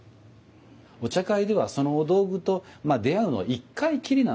お茶会ではそのお道具と出会うのは一回きりなんですね。